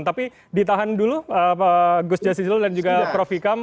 tapi ditahan dulu gus jasilul dan juga prof ikam